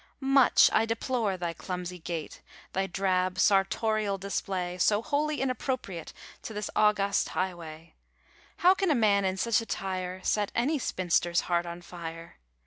Much I deplore thy clumsy gait, Thy drab sartorial display, So wholly inappropriate To this august highway; How can a man in such attire Set any spinster's heart on fire?